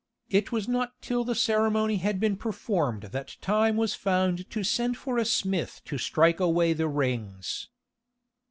It was not till the ceremony had been performed that time was found to send for a smith to strike away the rings.